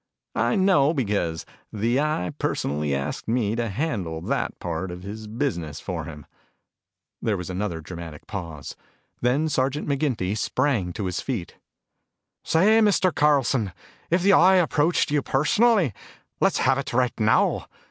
I know, because the Eye personally asked me to handle that part of his business for him." There was another dramatic pause. Then Sergeant McGinty sprang to his feet. "Say, Mr. Carlson, if the Eye approached you personally let's have it right now.